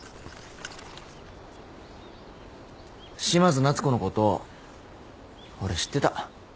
嶋津奈都子のこと俺知ってた